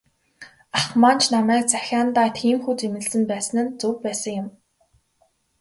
Ах маань ч намайг захиандаа тийнхүү зэмлэсэн байсан нь зөв байсан юм.